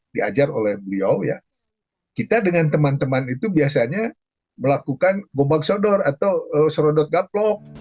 diajar oleh beliau ya kita dengan teman teman itu biasanya melakukan bombak sodor atau serodot gaplok